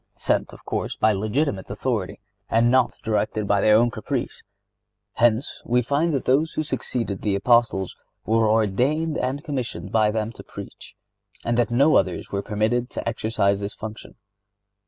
(74) Sent, of course, by legitimate authority, and not directed by their own caprice. Hence, we find that those who succeeded the Apostles were ordained and commissioned by them to preach, and that no others were permitted to exercise this function.